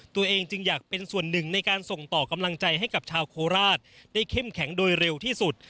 ตัวเองจึงอยากเป็นส่วนหนึ่งในการส่งต่อกำลังใจให้กับชาวโคราชได้เข้มแข็งโดยเร็วที่สุด